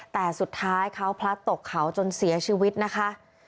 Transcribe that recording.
แต่สุดท้ายเขาพลัดตกเขาจนเสียชีวิตนะคะ